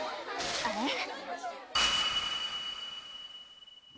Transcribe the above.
あれっ。